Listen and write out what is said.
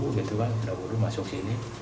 kain kemudian sholat kemudian buru buru masuk sini